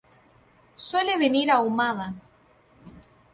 Suele venir ahumada.